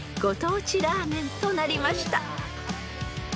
ご当地ラーメンとなりました］